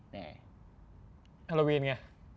หัลโหลวินเงีย